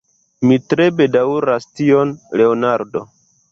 Mi tre bedaŭras tion, Leonardo.